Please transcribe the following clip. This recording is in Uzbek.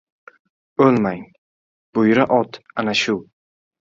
O‘lmang! Buyra ot ana shu!